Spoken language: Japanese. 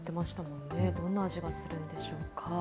どんな味がするんでしょうか。